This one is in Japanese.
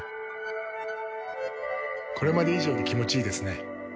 これまで以上に気持ちいいですね。